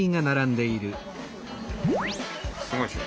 すごいですね